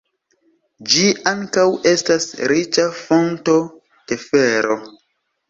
Ĝi ankaŭ estas riĉa fonto de fero.